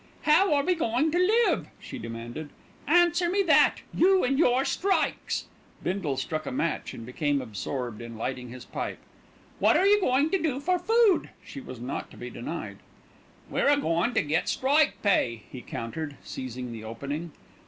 "How are we going to live?" she demanded. "Answer me that! You and your strikes!" Bindle struck a match and became absorbed in lighting his pipe. "What are you going to do for food?" She was not to be denied. "We're a goin' to get strike pay," he countered, seizing the opening.